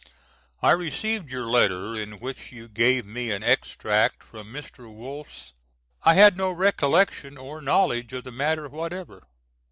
I received your letter in which you gave me an extract from Mr. Wolff's. I had no recollection or knowledge of the matter whatever.